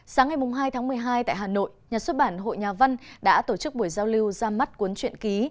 sáng ngày hai tháng một mươi hai tại hà nội nhà xuất bản hội nhà văn đã tổ chức buổi giao lưu ra mắt cuốn truyện ký